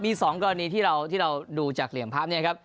มี๒กรณีที่เราดูจากเหลี่ยมภาพเนี่ยครับ